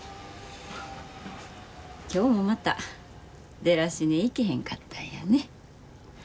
今日もまたデラシネ行けへんかったんやね。